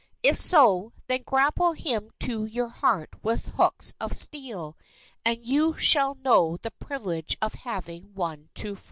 If so, then grapple him to your heart with hooks of steel; and you shall know the privilege of having one true friend.